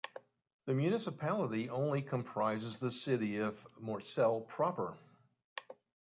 The municipality only comprises the city of Mortsel proper.